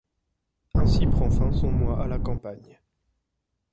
Ainsi prend fin son mois à la campagne.